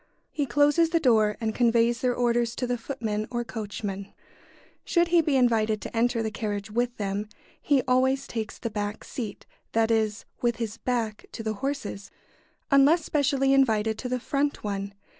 He closes the door and conveys their orders to the footman or coachman. [Sidenote: The man takes the back seat.] Should he be invited to enter the carriage with them, he always takes the back seat that is, with his back to the horses unless specially invited to the front one.